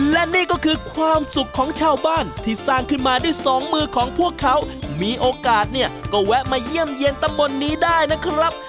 และนี่ก็คือความสุขของชาวบ้านที่สร้างขึ้นมาด้วยสองมือของพวกเขามีโอกาสเนี่ยก็แวะมาเยี่ยมเยี่ยนตำบลนี้ได้นะครับ